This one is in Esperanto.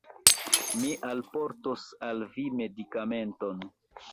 Mi alportos al vi medikamenton